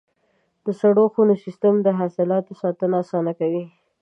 د سړو خونو سیستم د حاصلاتو ساتنه اسانه کوي.